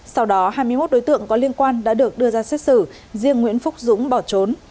sau đó hai mươi một đối tượng có liên quan đã được đưa ra xét xử riêng nguyễn phúc dũng bỏ trốn